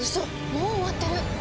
もう終わってる！